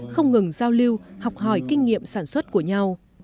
không ngừng giao lưu học hỏi kinh nghiệm sản xuất của nhau